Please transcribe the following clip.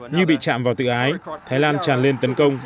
như bị chạm vào tự ái thái lan tràn lên tấn công